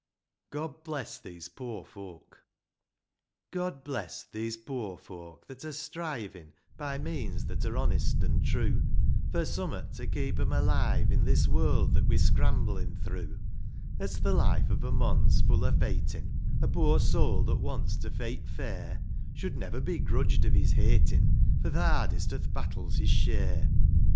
mt\ %\m ihm ^tm #m. OD bless these poor folk that are strivin' By means that are honest an' true, For some'at' to keep 'em alive in This world that we're scramblin' through As th' life ov a mon's full o' feightin',^ A poor soul that wants to feight fair, Should never be grudged ov his heytin',' For th' hardest o'th battle's his share.